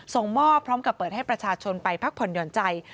ส่งมอบพร้อมกับเปิดให้ประชาชนไปพักผ่อนหย่อนใจ